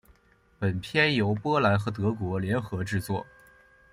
本片由波兰和德国联合制作。